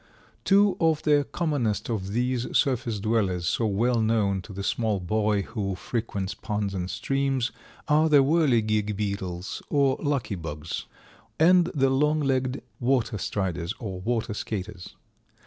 Two of the commonest of these surface dwellers, so well known to the small boy who frequents ponds and streams, are the Whirligig beetles or Lucky bugs, and the long legged Water striders or Water skaters.